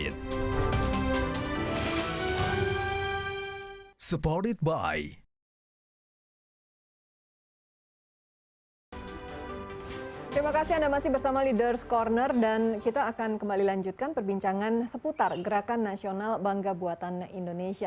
terima kasih anda masih bersama leaders ⁇ corner dan kita akan kembali lanjutkan perbincangan seputar gerakan nasional bangga buatan indonesia